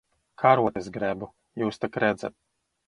Karotes grebu. Jūs tak redzat.